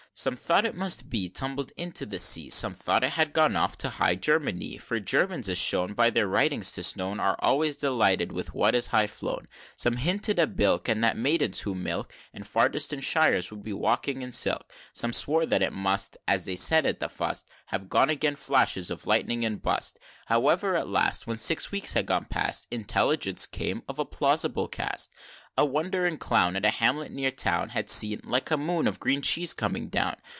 VI. Some thought it must be Tumbled into the Sea; Some thought it had gone off to High Germanie For Germans, as shown By their writings, 'tis known Are always delighted with what is high flown. VII. Some hinted a bilk, And that maidens who milk, In far distant Shires would be walking in silk: Some swore that it must, "As they said at the fust, Have gone again' flashes of lightning and bust!" VIII. However, at last, When six weeks had gone past, Intelligence came of a plausible cast; A wondering clown, At a hamlet near town, Had seen "like a moon of green cheese" coming down.